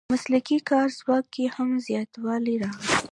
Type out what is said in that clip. په مسلکي کاري ځواک کې هم زیاتوالی راغلی.